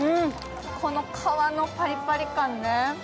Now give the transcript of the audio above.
この皮のパリパリ感ね。